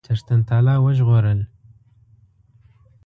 چښتن تعالی وژغورل.